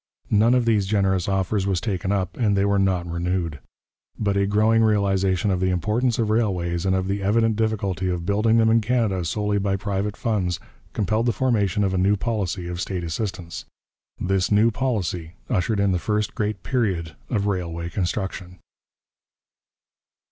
None of these generous offers was taken up, and they were not renewed. But a growing realization of the importance of railways and of the evident difficulty of building them in Canada solely by private funds compelled the formation of a new policy of state assistance. This new policy ushered in the first great period of railway construction.